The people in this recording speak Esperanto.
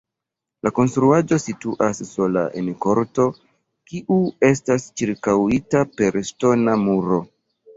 La konstruaĵo situas sola en korto, kiu estas ĉirkaŭita per ŝtona muro.